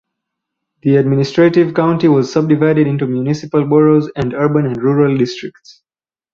The administrative county was subdivided into municipal boroughs and urban and rural districts.